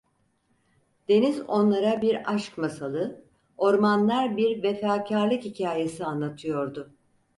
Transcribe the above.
Deniz onlara bir aşk masalı, ormanlar bir vefakârlık hikâyesi anlatıyordu.